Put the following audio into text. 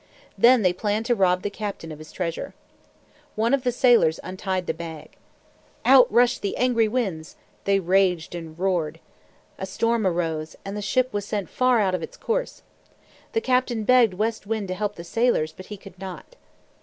Then they planned to rob the captain of his treasure. One of the sailors untied the bag. Out rushed the angry Winds! They raged and roared. A storm arose, and the ship was sent far out of its course. The captain begged West Wind to help the sailors, but he could not.